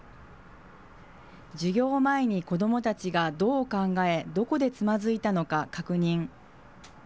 授業前に子どもたちがどう考え、どこでつまずいたのか確認。